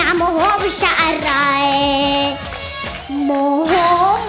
อารมณ์เสียอารมณ์เสียอารมณ์เสีย